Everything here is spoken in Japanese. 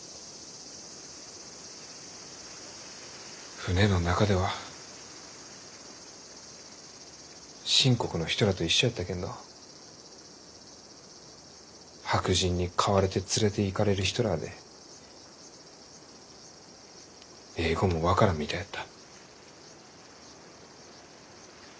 船の中では清国の人らあと一緒やったけんど白人に買われて連れていかれる人らあで英語も分からんみたいやった。